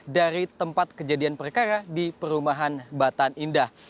dari tempat kejadian perkara di perumahan batan indah